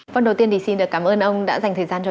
vâng đầu tiên thì xin được cảm ơn ông đã dành thời gian cho